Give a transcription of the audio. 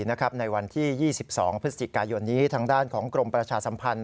ในวันที่๒๒พฤศจิกายนนี้ทางด้านของกรมประชาสัมพันธ์